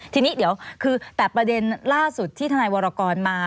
ทีนี้เดี๋ยวคือแต่ประเด็นล่าสุดที่ทนายวรกรมา